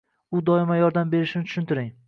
U doimo yordam berishini tushuntiring.